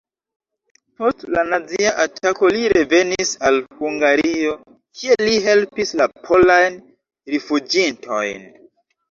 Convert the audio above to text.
Post la nazia atako li revenis al Hungario, kie li helpis la polajn rifuĝintojn.